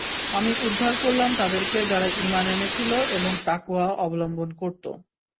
আমি উদ্ধার করলাম তাদেরকে যারা ঈমান এনেছিল এবং তাকওয়া অবলম্বন করত।